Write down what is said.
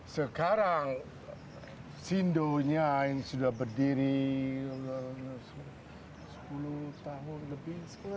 sekarang sindonya sudah berdiri sepuluh tahun lebih